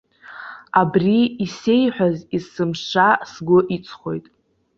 Абри исеиҳәаз есымша сгәы иҵхоит.